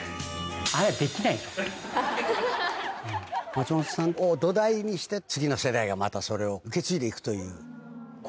松本さんを土台にして次の世代がまたそれを受け継いでいくという。